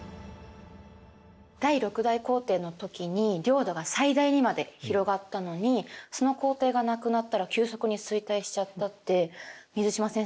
第６代皇帝の時に領土が最大にまで広がったのにその皇帝が亡くなったら急速に衰退しちゃったって水島先生